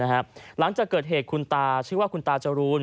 หลังจากเกิดเหตุคุณตาชื่อว่าคุณตาจรูน